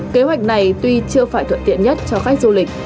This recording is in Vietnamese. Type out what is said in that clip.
kế hoạch này tuy chưa phải thuận tiện nhất cho khách du lịch